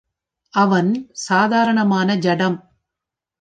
அவன், சாதாரணமான ஜடம்!